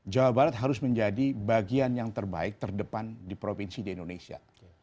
jawa barat harus menjadi bagian yang terbaik terdepan di provinsi di indonesia